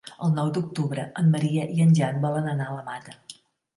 El nou d'octubre en Maria i en Jan volen anar a la Mata.